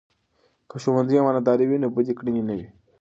که ښوونځي امانتدار وي، نو بدې کړنې نه وي.